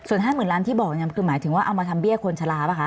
ส่วน๕หมื่นล้านบาทที่บอกหมายถึงว่าเอามาทำเบี้ยคนชะลาป่ะคะ